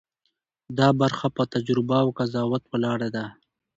دا برخه په تجربه او قضاوت ولاړه ده.